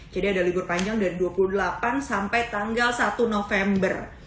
jadi ada libur panjang dari dua puluh delapan sampai tanggal satu november